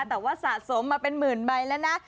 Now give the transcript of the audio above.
แต่ว่าสะสมมาเป็นหมื่นใบแล้วนะ